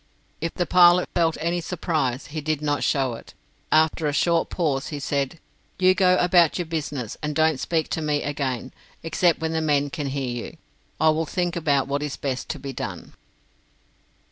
If the pilot felt any surprise, he did not show it. After a short pause he said: "You go about your business, and don't speak to me again, except when the men can hear you. I will think about what is best to be done."